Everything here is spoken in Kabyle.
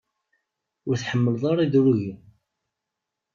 Ur tḥemmleḍ ara idrugen?